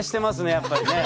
やっぱりね。